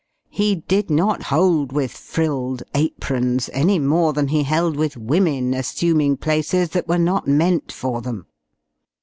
He did not hold with frilled aprons, any more than he held with women assuming places that were not meant for them.